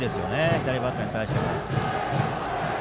左バッターに対しても。